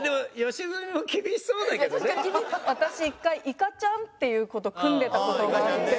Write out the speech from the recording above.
私１回いかちゃんっていう子と組んでた事があって。